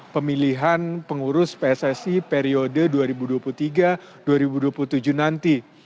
pemilihan pengurus pssi periode dua ribu dua puluh tiga dua ribu dua puluh tujuh nanti